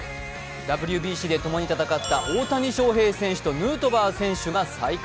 ＷＢＣで共に戦った大谷翔平選手とヌートバー選手が再会。